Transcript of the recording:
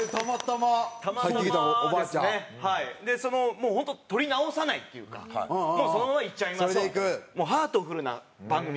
もう本当撮り直さないっていうかもうそのままいっちゃいましょうと。